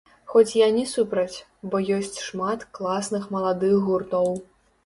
Хоць я не супраць, бо ёсць шмат класных маладых гуртоў!